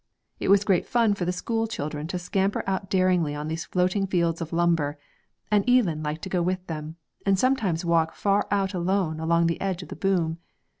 It was great fun for the school children to scamper out daringly on these floating fields of lumber; and Eelan liked to go with them, and sometimes walk far out alone along the edge of the boom.